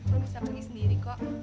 lo bisa beli sendiri kok